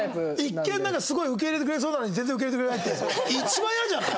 一見なんかすごい受け入れてくれそうなのに全然受け入れてくれないって一番嫌じゃない？